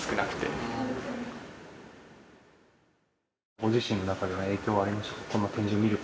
ご自身の中では影響はありましたか？